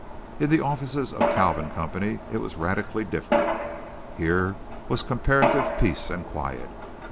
In the offices of the Kalvin Company it was radically different. Here was comparative peace and quiet.